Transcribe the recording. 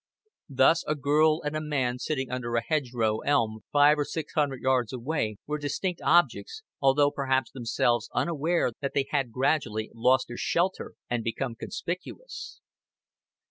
Thus a girl and a man sitting under a hedgerow elm five or six hundred yards away were distinct objects, although perhaps themselves unaware that they had gradually lost their shelter and become conspicuous.